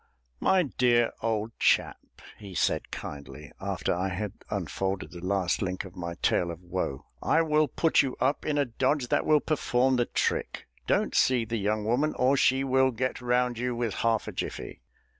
"My dear old chap," he said kindly, after I had unfolded the last link of my tale of woe, "I will put you up in a dodge that will perform the trick. Don't see the young woman, or she will get round you with half a jiffy.